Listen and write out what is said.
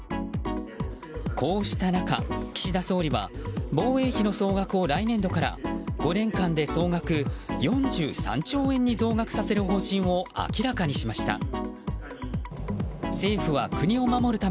こうした中、岸田総理は防衛費の総額を来年度から５年間で総額４３兆円に増額させる方針を明らかにしました。